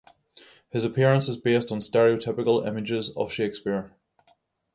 His appearance is based on stereotypical images of Shakespeare.